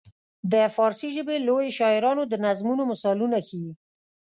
د فارسي ژبې لویو شاعرانو د نظمونو مثالونه ښيي.